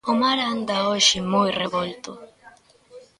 O mar anda hoxe moi revolto.